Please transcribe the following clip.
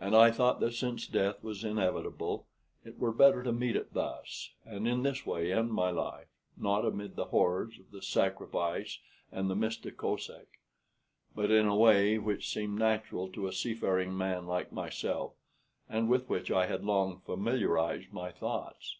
And I thought that since death was inevitable it were better to meet it thus, and in this way end my life not amid the horrors of the sacrifice and the Mista Kosek, but in a way which seemed natural to a seafaring man like myself, and with which I had long familiarized my thoughts.